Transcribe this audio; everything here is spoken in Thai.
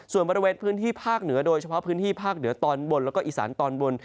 ส่วนบริเวณพื้นที่ภาคเหนือโดยเฉพาะพื้นที่ภาคเหนือตอนบนแล้วก็อีสานตอนบน